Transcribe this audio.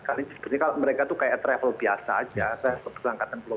kali ini seperti kalau mereka tuh kayak travel biasa aja saya seperti berangkatan keluar